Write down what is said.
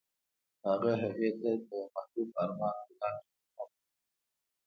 هغه هغې ته د محبوب آرمان ګلان ډالۍ هم کړل.